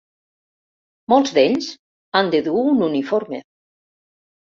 Molts d'ells han de dur un uniforme.